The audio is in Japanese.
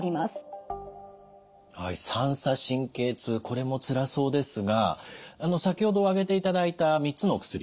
これもつらそうですが先ほど挙げていただいた３つのお薬